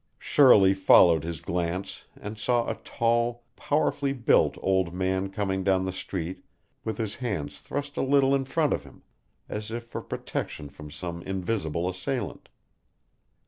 Shirley followed his glance and saw a tall, powerfully built old man coming down the street with his hands thrust a little in front of him, as if for protection from some invisible assailant.